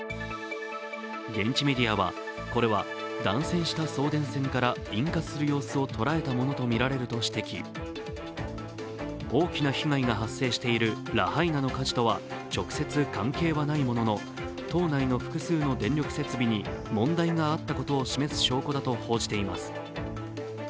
現地メディアは、これは断線した送電線から引火する様子を捉えたものとみられると指摘、大きな被害が発生しているラハイナの火事とは直接関係はないものの、島内の複数の電力設備に問題があったことを示す証拠だと報じています。